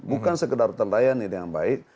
bukan sekedar terlayani dengan baik